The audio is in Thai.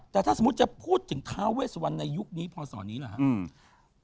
แต่ถ้าสมมุติจะพูดถึงท้าเวสวันในยุคนี้พอสอนี้หรือครับ